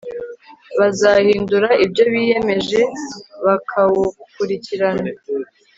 bazahindura ibyo biyemeje, bakawukurikirana